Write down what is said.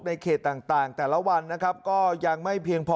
เขตต่างแต่ละวันนะครับก็ยังไม่เพียงพอ